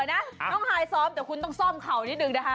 เออนะต้องไทยซ้อมแต่คุณต้องซ่อมเข่านิดนึงนะครับ